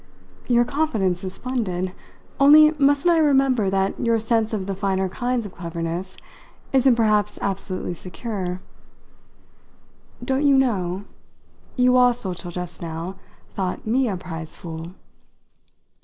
"Your confidence is splendid; only mustn't I remember that your sense of the finer kinds of cleverness isn't perhaps absolutely secure? Don't you know? you also, till just now, thought me a prize fool."